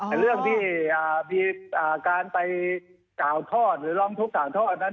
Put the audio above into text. แต่เรื่องที่มีการไปก่าวทอดหรือลองทุกข์ก่าวทอดนั้น